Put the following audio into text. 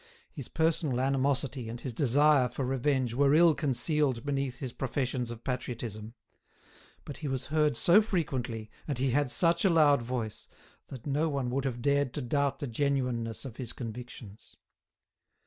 His personal animosity and his desire for revenge were ill concealed beneath his professions of patriotism; but he was heard so frequently, and he had such a loud voice, that no one would have dared to doubt the genuineness of his convictions.